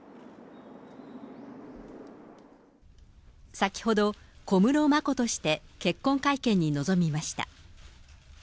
先ほど、小室眞子として結婚会見に臨みました。